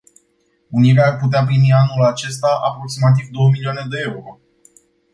Unirea ar putea primi anul acesta aproximativ două milioane de euro.